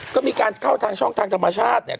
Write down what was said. ก็มีการเข้าทางช่องทางธรรมชาติเนี่ย